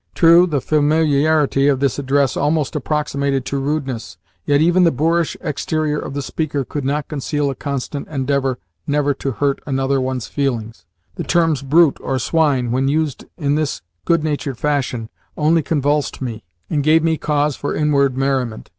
True, the familiarity of this address almost approximated to rudeness, yet even the boorish exterior of the speaker could not conceal a constant endeavour never to hurt another one's feelings. The terms "brute" or "swine," when used in this good natured fashion, only convulsed me, and gave me cause for inward merriment.